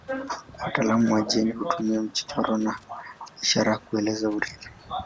Wataalamu wa jeni hutumia michoro na ishara kueleza urithi.